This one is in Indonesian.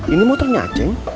ini motornya aceng